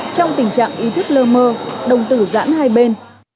trong tình trạng ý thức lơ mơ đồng tử giãn hai bên